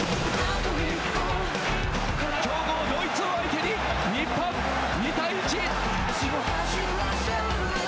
強豪ドイツを相手に日本２対１。